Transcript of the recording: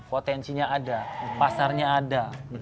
potensinya ada pasarnya ada